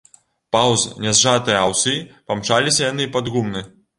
Паўз нязжатыя аўсы памчаліся яны пад гумны.